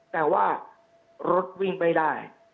แต่ว่ารถวิ่งไม่ได้